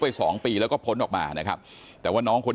ทีมข่าวเราก็พยายามสอบปากคำในแหบนะครับ